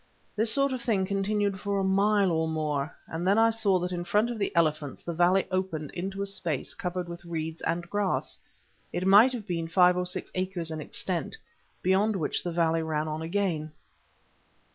This sort of thing continued for a mile or more, and then I saw that in front of the elephants the valley opened into a space covered with reeds and grass—it might have been five or six acres in extent—beyond which the valley ran on again.